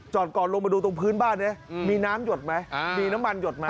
ก่อนลงมาดูตรงพื้นบ้านดิมีน้ำหยดไหมมีน้ำมันหยดไหม